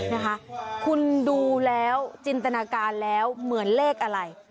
นะคะคุณดูแล้วจินตนาการแล้วเหมือนเลขอะไร